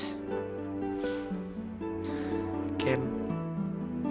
maksudnya aku mau kirim